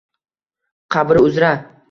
Qabri uzra